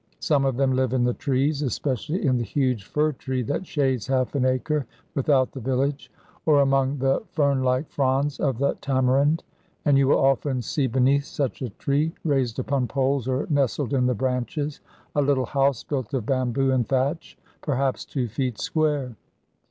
Some of them live in the trees, especially in the huge fir tree that shades half an acre without the village; or among the fernlike fronds of the tamarind; and you will often see beneath such a tree, raised upon poles or nestled in the branches, a little house built of bamboo and thatch, perhaps two feet square.